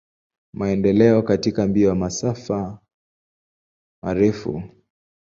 Maendeleo katika mbio ya masafa marefu.